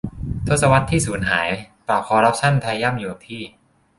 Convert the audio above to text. ทศวรรษที่สูญหาย ปราบคอร์รัปชั่นไทยย่ำอยู่กับที่